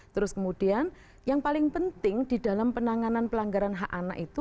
terus kemudian yang paling penting di dalam penanganan pelanggaran hak anak itu